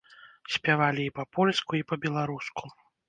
Спявалі і па-польску, і па-беларуску.